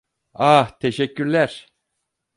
Ah, teşekkürler.